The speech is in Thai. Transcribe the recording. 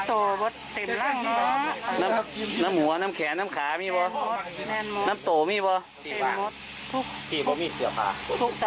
ต้องเป็นเค็มปูหัวให้กับออกมาแม่อีกลุ่ม